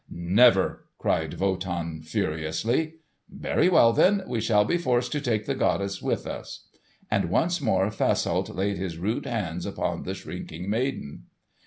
"Never!" cried Wotan furiously. "Very well, then. We shall be forced to take the goddess with us." And once more Fasolt laid his rude hands upon the shrinking maiden.